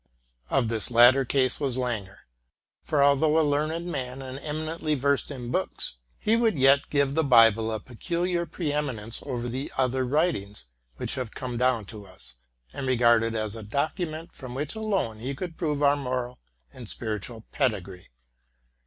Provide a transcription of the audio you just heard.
Of this latter class was Langer ;; for although a learned man, and eminently versed in books, he would. yet give the Bible a peculiar pre eminence over the other writ ings which have come down to us, and regard it as a docu 278 TRUTH AND FICTION ment from which alone we could prove our moral and spiritual pedigree.